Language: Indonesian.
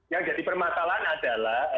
yang jadi permasalahan adalah